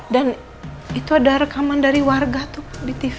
dan itu ada rekaman dari warga tuh di tv